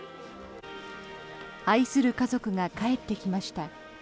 愛する家族が返ってきました。